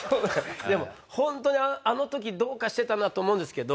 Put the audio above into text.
でもホントにあの時どうかしてたなと思うんですけど。